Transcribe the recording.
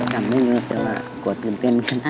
จำไม่มีเฉลี่ยแล้วกว่าตื่นเต้น